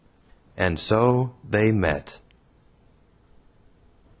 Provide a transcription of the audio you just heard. And so they met.